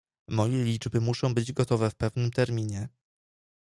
"Moje liczby muszą być gotowe w pewnym terminie."